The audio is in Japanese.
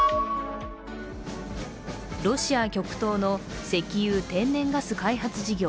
ロシア極東の石油・天然ガス開発事業